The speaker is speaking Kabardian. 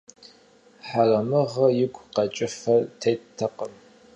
Хьэрэмыгъэ игу къэкӀыфэ теттэкъым.